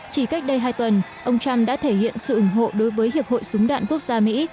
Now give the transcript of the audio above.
chỉ cách đây hai tuần ông trump đã thể hiện sự ủng hộ đối với hiệp hội súng đạn quốc gia mỹ